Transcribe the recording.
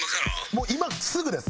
もう今すぐです。